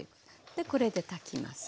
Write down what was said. でこれで炊きます。